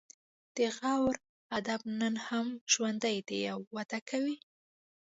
د غور ادب نن هم ژوندی دی او وده کوي